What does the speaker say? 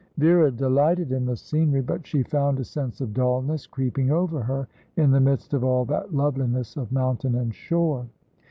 Vera delighted in the scenery, but she found a sense of dulness creeping over her, in the midst of all that loveliness of mountain and shore.